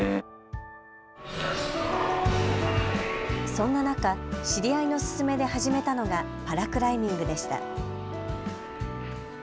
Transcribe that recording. そんな中、知り合いの勧めで始めたのがパラクライミングでした。